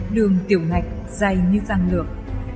đường tiểu ngạch dày như răng lược